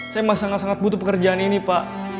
saya masih sangat sangat butuh pekerjaan ini pak